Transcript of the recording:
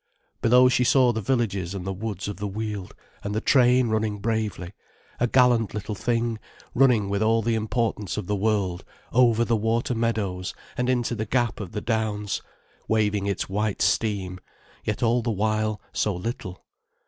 Below she saw the villages and the woods of the weald, and the train running bravely, a gallant little thing, running with all the importance of the world over the water meadows and into the gap of the downs, waving its white steam, yet all the while so little.